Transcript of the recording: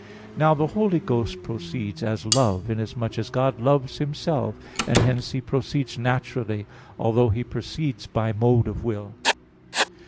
3). Now, the Holy Ghost proceeds as Love, inasmuch as God loves Himself, and hence He proceeds naturally, although He proceeds by mode of will.